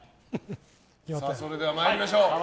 それでは参りましょう。